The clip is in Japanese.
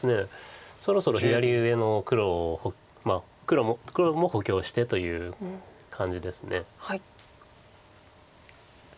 そろそろ左上の黒黒も補強してという感じです。